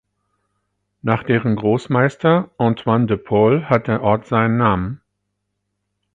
Nach deren Großmeister Antoine de Paule hat der Ort seinen Namen.